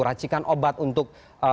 racikan obat untuk